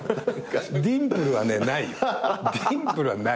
ディンプルはねない。